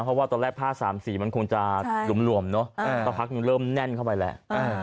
เพราะว่าตอนแรกผ้าสามสีมันคงจะหลวมเนอะสักพักหนึ่งเริ่มแน่นเข้าไปแล้ว